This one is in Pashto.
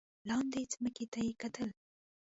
لاندې ځمکې ته یې کتل.